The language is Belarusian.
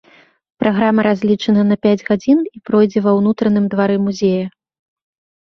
Праграма разлічана на пяць гадзін і пройдзе ва ўнутраным двары музея.